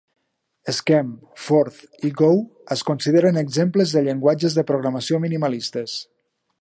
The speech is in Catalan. Scheme, Forth i Go es consideren exemples de llenguatges de programació minimalistes.